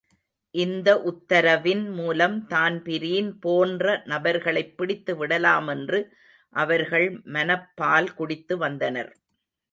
இந்த உத்தரவின் மூலம் தான்பிரீன் போன்ற நபர்களைப் பிடித்துவிடலாமென்று அவர்கள் மனப்பால் குடித்து வந்தனர்.